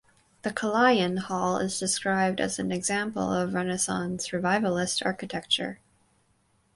The Kalayaan Hall is described as an example of Renaissance–Revivalist architecture.